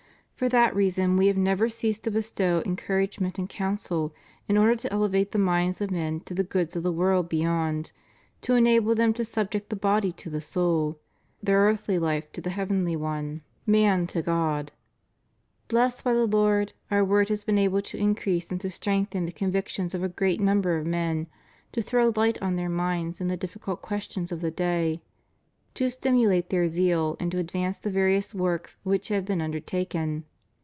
For that reason We have never ceased to bestow encouragement and counsel in order to elevate the minds of men to the goods of the world beyond; to enable them to subject the body to the soul; their earthly life to the heavenly on«; REVIEW OF HIS PONTIFICATE. 569 man to God. Blessed by the Lord, Our word has been able to increase and to strengthen the convictions of a great number of men; to throw light on their minds in the difficult questions of the day; to stimulate their zeal and to advance the various works which have been un dertaken.